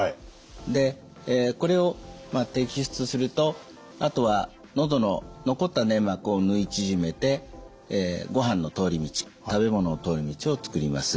でこれを摘出するとあとは喉の残った粘膜を縫い縮めてごはんの通り道食べ物の通り道を作ります。